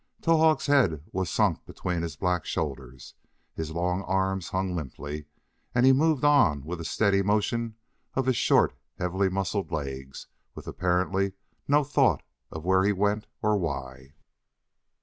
Towahg's head was sunk between his black shoulders; his long arms hung limply; and he moved on with a steady motion of his short, heavily muscled legs, with apparently no thought of where he went or why.